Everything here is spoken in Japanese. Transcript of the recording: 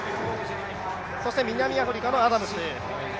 そして南アフリカのアダムス。